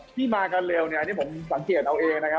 ที่มากันเร็วเนี่ยนี่ผมสังเกตเอาเองนะครับ